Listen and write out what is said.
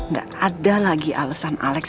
nggak ada lagi alasan alex